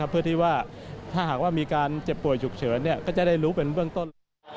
เพื่อที่ว่าถ้าหากว่ามีการเจ็บป่วยฉุกเฉินก็จะได้รู้เป็นเบื้องต้น